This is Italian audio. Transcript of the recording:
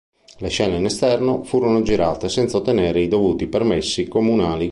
Le scene in esterno furono girate senza ottenere i dovuti permessi comunali.